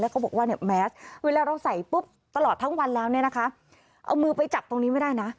แล้วก็บอกว่าแมสเวลาเราใส่ตลอดทั้งวันแล้วเอามือไปจับตรงนี้ไม่ได้นะ